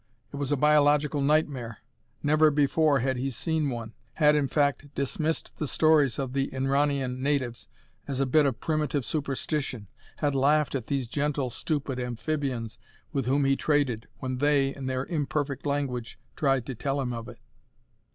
It was a biological nightmare. Never before had he seen one had, in fact, dismissed the stories of the Inranian natives as a bit of primitive superstition, had laughed at these gentle, stupid amphibians with whom he traded when they, in their imperfect language, tried to tell him of it.